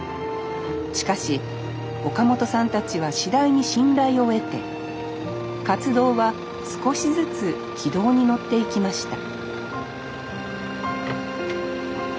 しかし岡本さんたちは次第に信頼を得て活動は少しずつ軌道に乗っていきました